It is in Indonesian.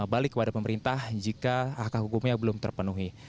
balik kepada pemerintah jika hak hak hukumnya belum terpenuhi